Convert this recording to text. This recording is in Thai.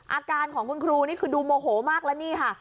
อาการของคุณครูนี่คือดูโมโหมากแล้วนี่ค่ะ